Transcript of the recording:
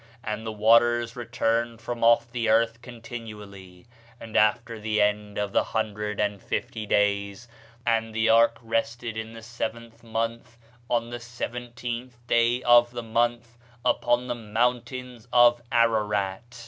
And the waters returned from off the earth continually: and after the end of the hundred and fifty days the waters were abated. And the ark rested in the seventh mouth, on the seventeenth day of the month, upon the mountains of Ararat.